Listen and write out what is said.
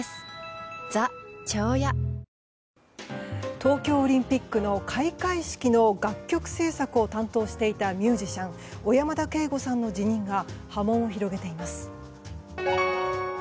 東京オリンピックの開会式の楽曲制作を担当していたミュージシャン小山田圭吾さんの辞任が波紋を広げています。